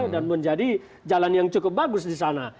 dan menjadi jalan yang cukup bagus di sana